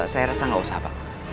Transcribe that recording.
saya rasa gak usah pak